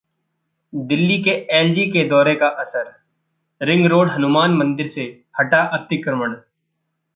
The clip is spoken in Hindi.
दिल्ली के एलजी के दौरे का असर, रिंग रोड हनुमान मंदिर से हटा अतिक्रमण